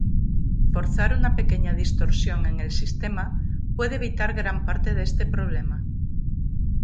Forzar una pequeña distorsión en el sistema puede evitar gran parte de este problema.